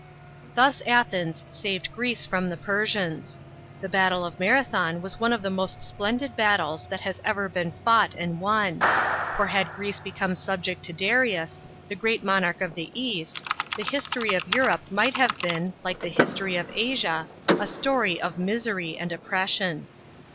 Thus Athens saved Greece from the Persians. The battle of Marathon was one of the most splendid battles that has ever been fought and won ; for had Greece become subject to Darius, the great monarch of the East, the history of Europe might have been, like the history of Asia, a story of misery and oppression.